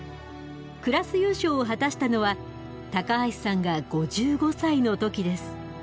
クラス優勝を果たしたのは高橋さんが５５歳の時です。